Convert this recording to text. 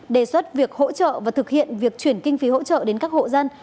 đề xuất việc hỗ trợ và thực hiện việc chuyển kinh phí hỗ trợ đến các hộ dân